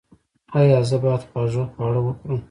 ایا زه باید خوږ خواړه وخورم؟